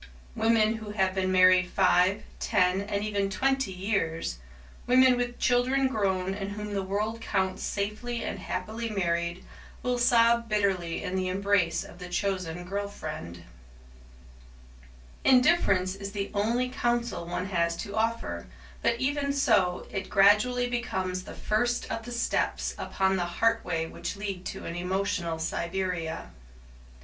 Women who have been married five, ten, and even twenty years; women with children grown and whom the world counts safely and happily married, will sob bitterly in the embrace of the chosen girl friend. [Sidenote: Indifference] Indifference is the only counsel one has to offer, but even so, it gradually becomes the first of the steppes upon the heart way which lead to an emotional Siberia.